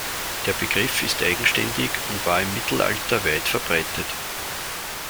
Der Begriff ist eigenständig und war im Mittelalter weit verbreitet.